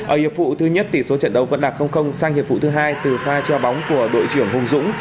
ở hiệp vụ thứ nhất tỷ số trận đấu vẫn đạt sang hiệp vụ thứ hai từ pha chơi bóng của đội trưởng hùng dũng